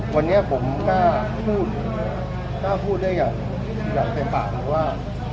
วันนี้ผมกล้าพูดได้อย่างเต็มปากว่า